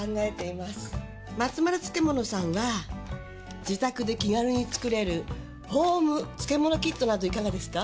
まつまる漬物さんは自宅で気軽に作れるホーム漬物キットなどいかがですか？